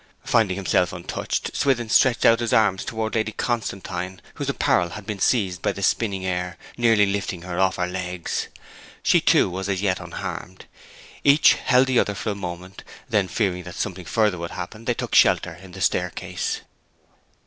Finding himself untouched Swithin stretched out his arms towards Lady Constantine, whose apparel had been seized by the spinning air, nearly lifting her off her legs. She, too, was as yet unharmed. Each held the other for a moment, when, fearing that something further would happen, they took shelter in the staircase.